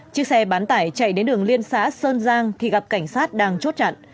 chiếc xe bán tải chạy đến đường liên xã sơn giang thì gặp cảnh sát đang chốt chặn